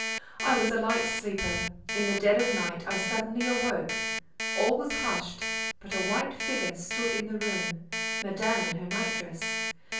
I was a light sleeper; in the dead of night I suddenly awoke. All was hushed, but a white figure stood in the room—Madame in her night dress.